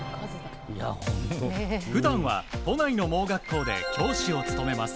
普段は都内の盲学校で教師を務めます。